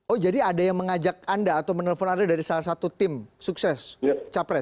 oh jadi ada yang mengajak anda atau menelpon anda dari salah satu tim sukses capres